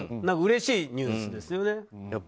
うれしいニュースですよね。